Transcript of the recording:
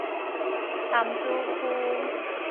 潭子區